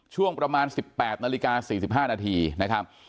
ช่วงประมาณ๑๘นาฬิกา๔๕นาทีนะครับ